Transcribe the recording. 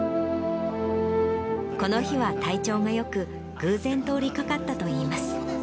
この日は体調がよく、偶然、通りかかったといいます。